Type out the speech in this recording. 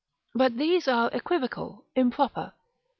But these are equivocal, improper.